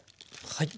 はい。